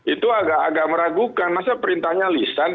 itu agak agak meragukan masa perintahnya lisan